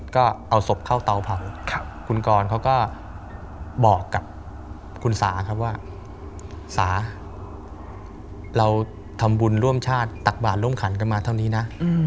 ก็เอาศพเข้าเตาเผาคุณกรเขาก็บอกกับคุณสาครับว่าสาเราทำบุญร่วมชาติตักบาทร่วมขันกันมาเท่านี้นะ